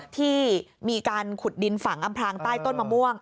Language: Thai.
ที่มีการขุดดินฝังอำพลางใต้ต้นมะม่วง